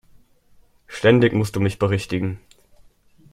Ständig musst du mich berichtigen!